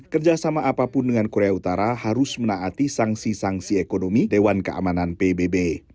kerjasama apapun dengan korea utara harus menaati sanksi sanksi ekonomi dewan keamanan pbb